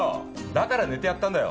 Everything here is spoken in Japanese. だから寝てやったんだよ。